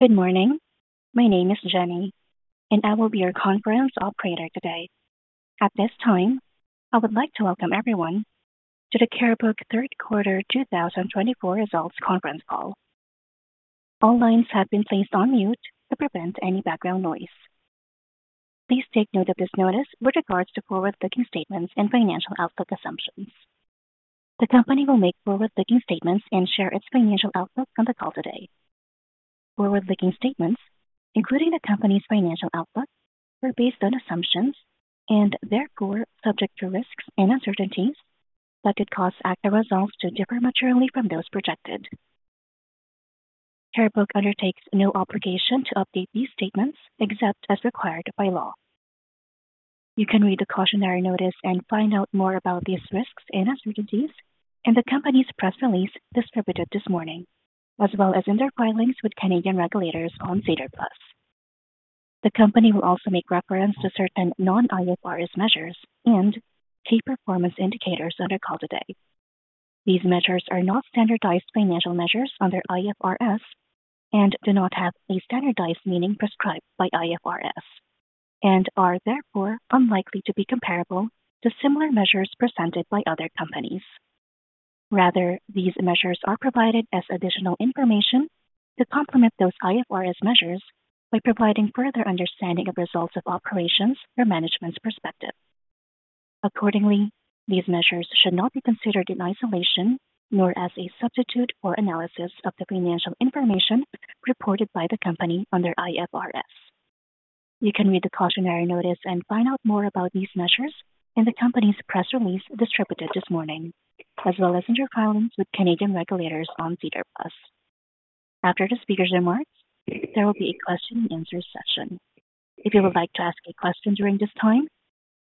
Good morning. My name is Jenny, and I will be your conference operator today. At this time, I would like to welcome everyone to the Carebook Third Quarter 2024 Results Conference Call. All lines have been placed on mute to prevent any background noise. Please take note of this notice with regards to forward-looking statements and financial outlook assumptions. The company will make forward-looking statements and share its financial outlook on the call today. Forward-looking statements, including the company's financial outlook, are based on assumptions and, therefore, subject to risks and uncertainties that could cause actual results to differ materially from those projected. Carebook undertakes no obligation to update these statements except as required by law. You can read the cautionary notice and find out more about these risks and uncertainties in the company's press release distributed this morning, as well as in their filings with Canadian regulators on SEDAR+. The company will also make reference to certain non-IFRS measures and key performance indicators on the call today. These measures are not standardized financial measures under IFRS and do not have a standardized meaning prescribed by IFRS, and are, therefore, unlikely to be comparable to similar measures presented by other companies. Rather, these measures are provided as additional information to complement those IFRS measures by providing further understanding of results of operations from management's perspective. Accordingly, these measures should not be considered in isolation, nor as a substitute for analysis of the financial information reported by the company under IFRS. You can read the cautionary notice and find out more about these measures in the company's press release distributed this morning, as well as in your filings with Canadian regulators on SEDAR+. After the speaker's remarks, there will be a question-and-answer session. If you would like to ask a question during this time,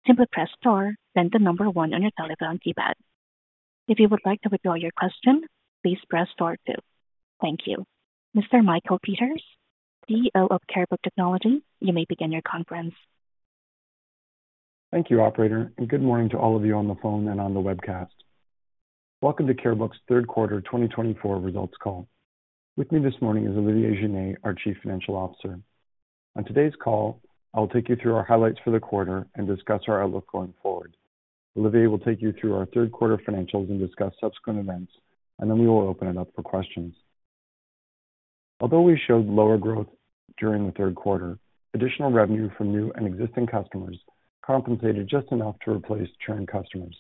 simply press star then the number one on your telephone keypad. If you would like to withdraw your question, please press star two. Thank you. Mr. Michael Peters, CEO of Carebook Technologies, you may begin your conference. Thank you, Operator, and good morning to all of you on the phone and on the webcast. Welcome to Carebook's Third Quarter 2024 Results Call. With me this morning is Olivier Giner, our Chief Financial Officer. On today's call, I'll take you through our highlights for the quarter and discuss our outlook going forward. Olivier will take you through our third quarter financials and discuss subsequent events, and then we will open it up for questions. Although we showed lower growth during the third quarter, additional revenue from new and existing customers compensated just enough to replace churn customers.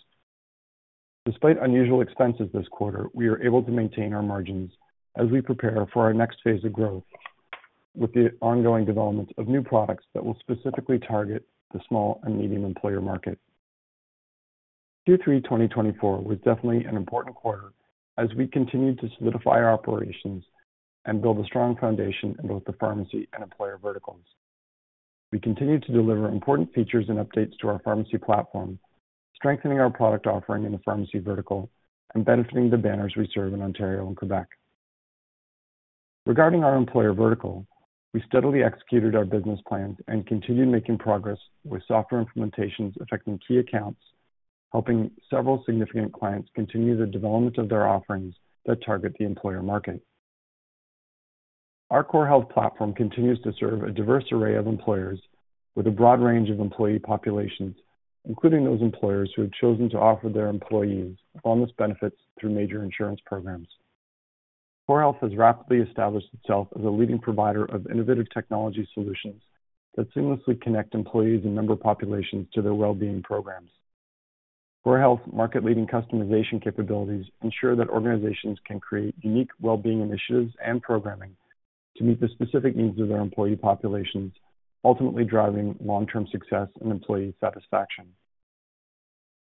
Despite unusual expenses this quarter, we are able to maintain our margins as we prepare for our next phase of growth with the ongoing development of new products that will specifically target the small and medium employer market. Third quarter 2024 was definitely an important quarter as we continued to solidify our operations and build a strong foundation in both the pharmacy and employer verticals. We continued to deliver important features and updates to our pharmacy platform, strengthening our product offering in the pharmacy vertical and benefiting the banners we serve in Ontario and Quebec. Regarding our employer vertical, we steadily executed our business plans and continued making progress with software implementations affecting key accounts, helping several significant clients continue the development of their offerings that target the employer market. Our CoreHealth platform continues to serve a diverse array of employers with a broad range of employee populations, including those employers who have chosen to offer their employees wellness benefits through major insurance programs. CoreHealth has rapidly established itself as a leading provider of innovative technology solutions that seamlessly connect employees and member populations to their well-being programs. CoreHealth's market-leading customization capabilities ensure that organizations can create unique well-being initiatives and programming to meet the specific needs of their employee populations, ultimately driving long-term success and employee satisfaction.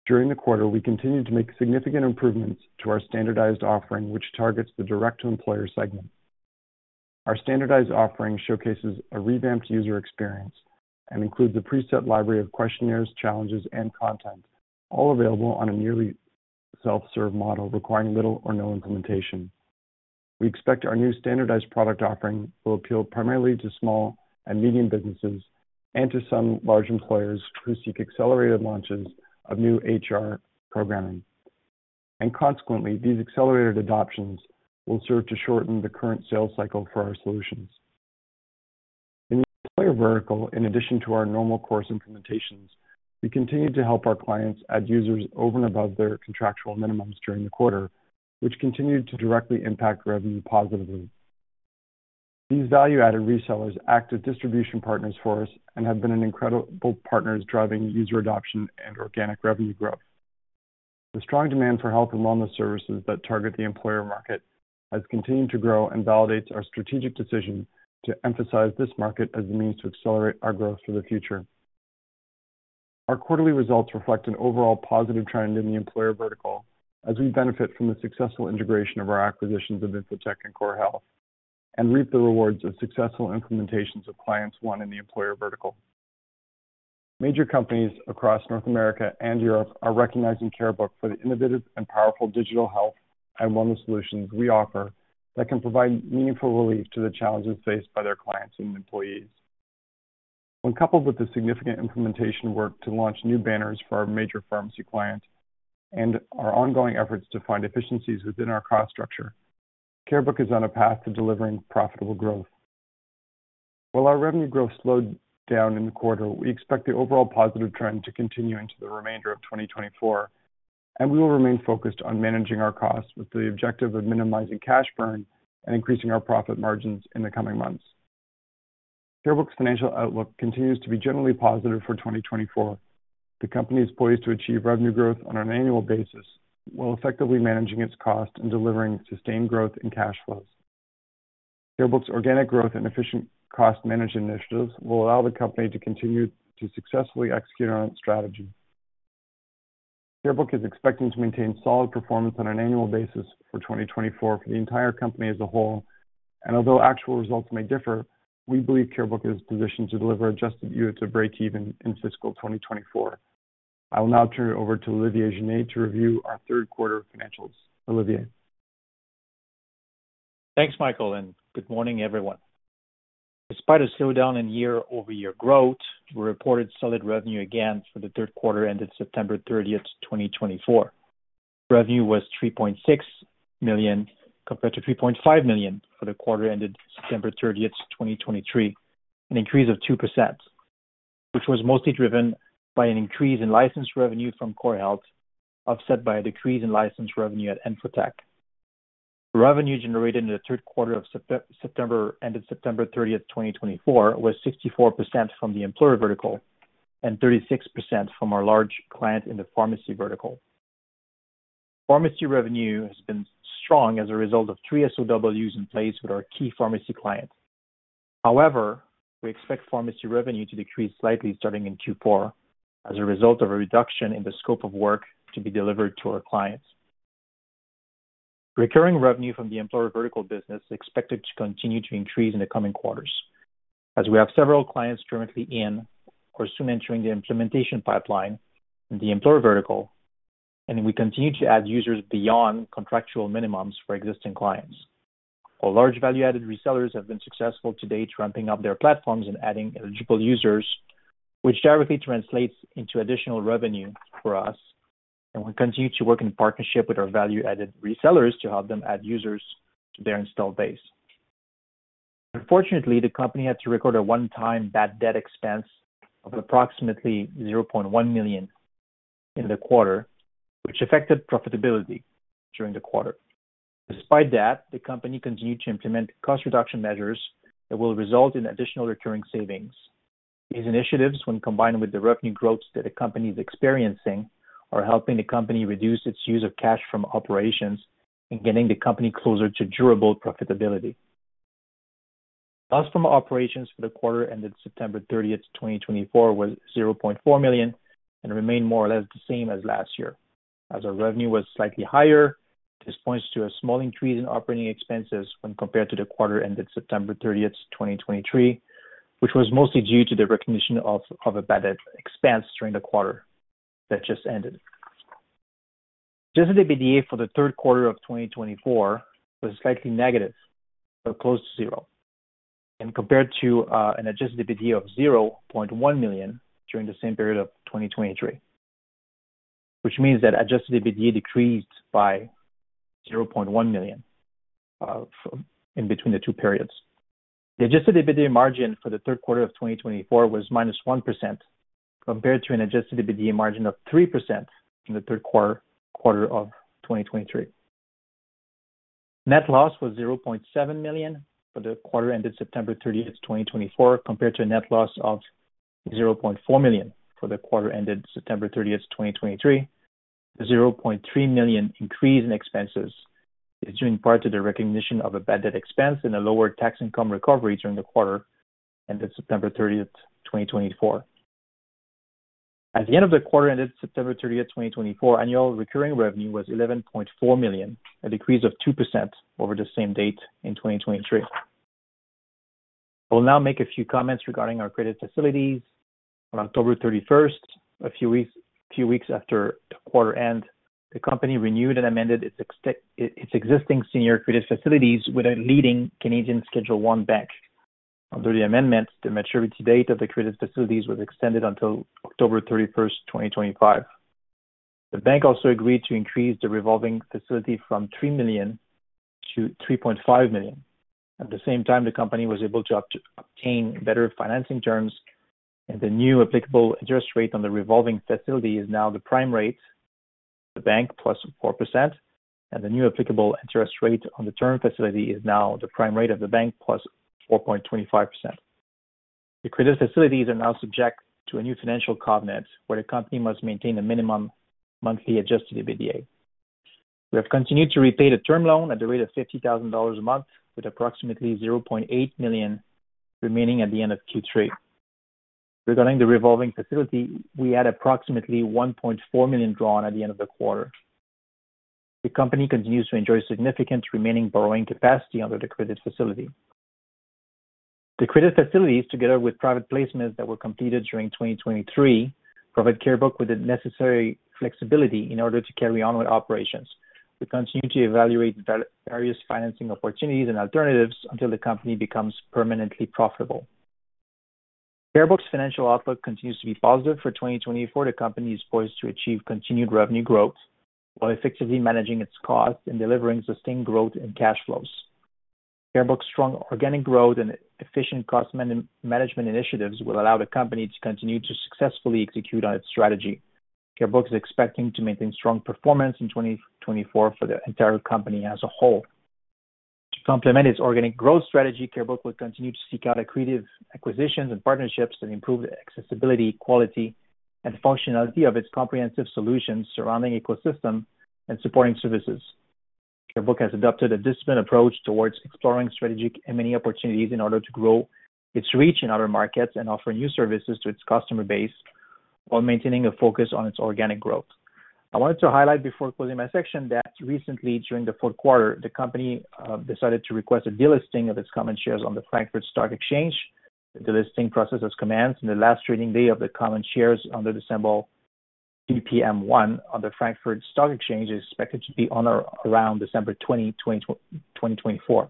During the quarter, we continued to make significant improvements to our standardized offering, which targets the direct-to-employer segment. Our standardized offering showcases a revamped user experience and includes a preset library of questionnaires, challenges, and content, all available on a nearly self-serve model requiring little or no implementation. We expect our new standardized product offering will appeal primarily to small and medium businesses and to some large employers who seek accelerated launches of new HR programming. And consequently, these accelerated adoptions will serve to shorten the current sales cycle for our solutions. In the employer vertical, in addition to our normal course implementations, we continue to help our clients add users over and above their contractual minimums during the quarter, which continued to directly impact revenue positively. These value-added resellers act as distribution partners for us and have been incredible partners driving user adoption and organic revenue growth. The strong demand for health and wellness services that target the employer market has continued to grow and validates our strategic decision to emphasize this market as the means to accelerate our growth for the future. Our quarterly results reflect an overall positive trend in the employer vertical as we benefit from the successful integration of our acquisitions of InfoTech and CoreHealth and reap the rewards of successful implementations of clients won in the employer vertical. Major companies across North America and Europe are recognizing Carebook for the innovative and powerful digital health and wellness solutions we offer that can provide meaningful relief to the challenges faced by their clients and employees. When coupled with the significant implementation work to launch new banners for our major pharmacy client and our ongoing efforts to find efficiencies within our cost structure, Carebook is on a path to delivering profitable growth. While our revenue growth slowed down in the quarter, we expect the overall positive trend to continue into the remainder of 2024, and we will remain focused on managing our costs with the objective of minimizing cash burn and increasing our profit margins in the coming months. Carebook's financial outlook continues to be generally positive for 2024. The company is poised to achieve revenue growth on an annual basis while effectively managing its costs and delivering sustained growth in cash flows. Carebook's organic growth and efficient cost management initiatives will allow the company to continue to successfully execute on its strategy. Carebook is expecting to maintain solid performance on an annual basis for 2024 for the entire company as a whole, and although actual results may differ, we believe Carebook is positioned to deliver Adjusted EBITDA at break-even in fiscal 2024. I will now turn it over to Olivier Giner to review our third quarter financials. Olivier. Thanks, Michael, and good morning, everyone. Despite a slowdown in year-over-year growth, we reported solid revenue again for the third quarter ended September 30th, 2024. Revenue was 3.6 million compared to 3.5 million for the quarter ended September 30th, 2023, an increase of 2%, which was mostly driven by an increase in license revenue from CoreHealth, offset by a decrease in license revenue at InfoTech. Revenue generated in the third quarter ended September 30th, 2024, was 64% from the employer vertical and 36% from our large client in the pharmacy vertical. Pharmacy revenue has been strong as a result of three SOWs in place with our key pharmacy client. However, we expect pharmacy revenue to decrease slightly starting in Q4 as a result of a reduction in the scope of work to be delivered to our clients. Recurring revenue from the employer vertical business is expected to continue to increase in the coming quarters as we have several clients currently in or soon entering the implementation pipeline in the employer vertical, and we continue to add users beyond contractual minimums for existing clients. Our large value-added resellers have been successful to date ramping up their platforms and adding eligible users, which directly translates into additional revenue for us, and we continue to work in partnership with our value-added resellers to help them add users to their installed base. Unfortunately, the company had to record a one-time bad debt expense of approximately 0.1 million in the quarter, which affected profitability during the quarter. Despite that, the company continued to implement cost reduction measures that will result in additional recurring savings. These initiatives, when combined with the revenue growth that the company is experiencing, are helping the company reduce its use of cash from operations and getting the company closer to durable profitability. Loss from operations for the quarter ended September 30th, 2024, was 0.4 million and remained more or less the same as last year, as our revenue was slightly higher. This points to a small increase in operating expenses when compared to the quarter ended September 30th, 2023, which was mostly due to the recognition of a bad debt expense during the quarter that just ended. Adjusted EBITDA for the third quarter of 2024 was slightly negative, but close to zero, and compared to an adjusted EBITDA of 0.1 million during the same period of 2023, which means that adjusted EBITDA decreased by 0.1 million in between the two periods. The Adjusted EBITDA margin for the third quarter of 2024 was minus 1% compared to an Adjusted EBITDA margin of 3% in the third quarter of 2023. Net loss was 0.7 million for the third quarter ended September 30th, 2024, compared to a net loss of 0.4 million for the third quarter ended September 30th, 2023. The 0.3 million increase in expenses is due in part to the recognition of a bad debt expense and a lower tax income recovery during the quarter ended September 30th, 2024. At the end of the quarter ended September 30th, 2024, annual recurring revenue was 11.4 million, a decrease of 2% over the same date in 2023. I will now make a few comments regarding our credit facilities. On October 31, a few weeks after the quarter end, the company renewed and amended its existing senior credit facilities with a leading Canadian Schedule I bank. Under the amendment, the maturity date of the credit facilities was extended until October 31, 2025. The bank also agreed to increase the revolving facility from 3 million to 3.5 million. At the same time, the company was able to obtain better financing terms, and the new applicable interest rate on the revolving facility is now the prime rate of the bank, plus 4%, and the new applicable interest rate on the term facility is now the prime rate of the bank, plus 4.25%. The credit facilities are now subject to a new financial covenant where the company must maintain a minimum monthly Adjusted EBITDA. We have continued to repay the term loan at a rate of 50,000 dollars a month, with approximately 0.8 million remaining at the end of third quarter. Regarding the revolving facility, we had approximately 1.4 million drawn at the end of the quarter. The company continues to enjoy significant remaining borrowing capacity under the credit facility. The credit facilities, together with private placements that were completed during 2023, provide Carebook with the necessary flexibility in order to carry on with operations. We continue to evaluate various financing opportunities and alternatives until the company becomes permanently profitable. Carebook's financial outlook continues to be positive for 2024. The company is poised to achieve continued revenue growth while effectively managing its costs and delivering sustained growth in cash flows. Carebook's strong organic growth and efficient cost management initiatives will allow the company to continue to successfully execute on its strategy. Carebook is expecting to maintain strong performance in 2024 for the entire company as a whole. To complement its organic growth strategy, Carebook will continue to seek out accretive acquisitions and partnerships that improve the accessibility, quality, and functionality of its comprehensive solutions, surrounding ecosystem and supporting services. Carebook has adopted a disciplined approach towards exploring strategic M&A opportunities in order to grow its reach in other markets and offer new services to its customer base while maintaining a focus on its organic growth. I wanted to highlight before closing my section that recently, during the fourth quarter, the company decided to request a delisting of its common shares on the Frankfurt Stock Exchange. The delisting process was commenced, and the last trading day of the common shares under the symbol PPM1 on the Frankfurt Stock Exchange is expected to be on or around December 20, 2024.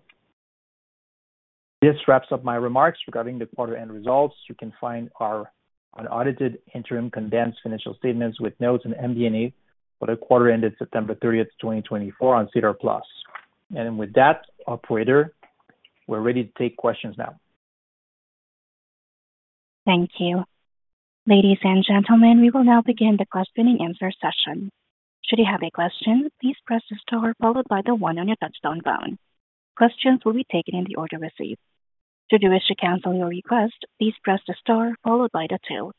This wraps up my remarks regarding the quarter-end results. You can find our unaudited interim condensed financial statements with notes and MD&A for the quarter ended September 30th, 2024, on SEDAR+. And with that, Operator, we're ready to take questions now. Thank you. Ladies and gentlemen, we will now begin the question and answer session. Should you have a question, please press the star followed by the one on your touch-tone phone. Questions will be taken in the order received. Should you wish to cancel your request, please press the star followed by the two.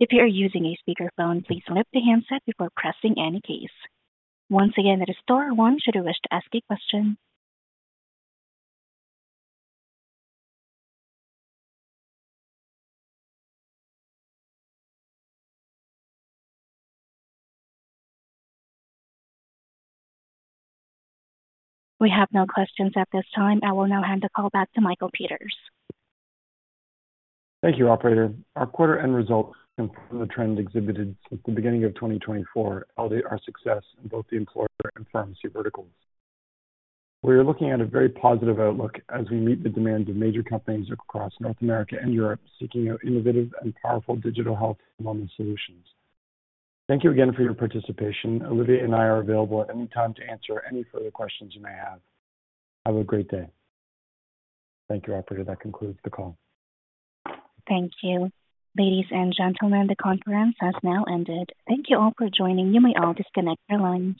If you are using a speakerphone, please lift the handset before pressing any keys. Once again, that is star one. Should you wish to ask a question? We have no questions at this time. I will now hand the call back to Michael Peters. Thank you, Operator. Our quarter-end results confirm the trend exhibited since the beginning of 2024, our success in both the employer and pharmacy verticals. We are looking at a very positive outlook as we meet the demand of major companies across North America and Europe seeking innovative and powerful digital health and wellness solutions. Thank you again for your participation. Olivier and I are available at any time to answer any further questions you may have. Have a great day. Thank you, Operator. That concludes the call. Thank you. Ladies and gentlemen, the conference has now ended. Thank you all for joining. You may all disconnect your lines.